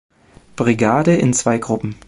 Brigade in zwei Gruppen.